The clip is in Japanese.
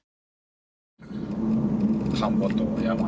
田んぼと山。